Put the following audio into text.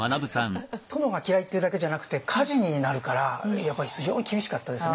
殿が嫌いっていうだけじゃなくて火事になるからやっぱり非常に厳しかったですね